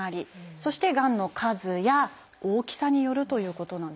そしてがんの数や大きさによるということなんですね土谷さん。